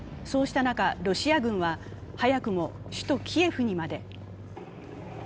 そうした中、ロシア軍は早くも首都キエフにまで。